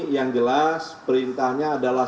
yang jelas perintahnya adalah